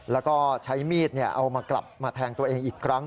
แล้วก็ใช้มีดเอามากลับมาแทงตัวเองอีกครั้ง